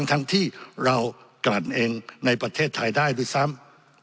ทั้งที่เรากลั่นเองในประเทศไทยได้ด้วยซ้ำ